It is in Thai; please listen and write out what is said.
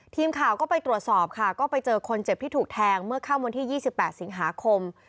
ทีมข่าวก็ไปตรวจสอบค่ะก็ไปเจอคนเจ็บที่ถูกแทงเมื่อค่ำวันที่๒๘สิงหาคม